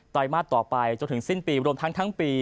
มาสต่อไปจนถึงสิ้นปีรวมทั้งปี